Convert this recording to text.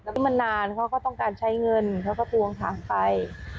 แล้วก็มันนานเขาก็ต้องการใช้เงินเขาก็ทวงถามไป